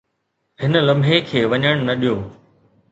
هن لمحي کي وڃڻ نه ڏيو